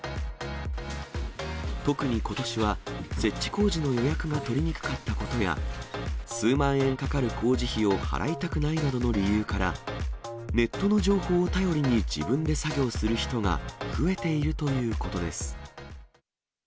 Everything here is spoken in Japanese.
特にことしは設置工事の予約が取りにくかったことや、数万円かかる工事費を払いたくないなどの理由から、ネットの情報を頼りに自分で作業する人が増えているということです。